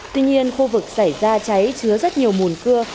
tuy nhiên khu vực xảy ra cháy chứa rất nhiều mùn cưa